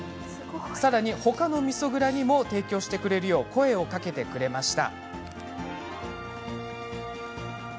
さらに、ほかのみそ蔵にも提供してくれるよう声をかけてくれました。